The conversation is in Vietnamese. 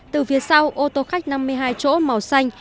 từ phía sau ô tô khách năm mươi hai chỗ màu xanh